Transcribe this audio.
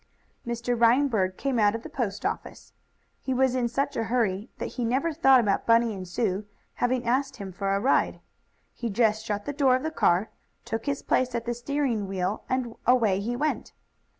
Mr. Reinberg came out of the post office. He was in such a hurry that he never thought about Bunny and Sue's having asked him for a ride. He just shut the door of the car, took his place at the steering wheel and away he went.